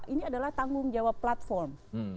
ini adalah tanggung jawab platform